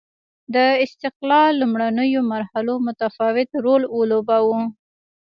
د استقلال لومړنیو مرحلو متفاوت رول ولوباوه.